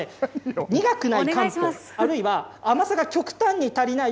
苦くない漢方あるいは甘さが極端に足りない